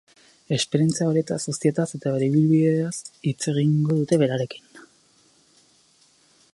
Esperientzia horietaz guztietaz eta bere ibilbidea hitz egingo dute berarekin.